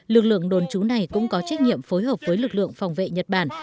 lực lượng đồn trú này cũng có trách nhiệm phối hợp với lực lượng phòng vệ nhật bản